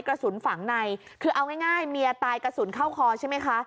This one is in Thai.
กระสุนฝังในคือเอาง่ายเมียตายกระสุนเข้าคอใช่ไหมคะ